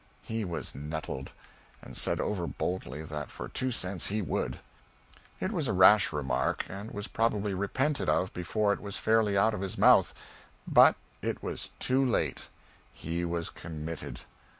He was nettled, and said over boldly that for two cents he would. It was a rash remark, and was probably repented of before it was fairly out of his mouth. But it was too late he was committed.